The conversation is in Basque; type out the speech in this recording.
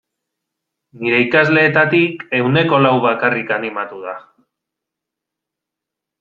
Nire ikasleetatik ehuneko lau bakarrik animatu da.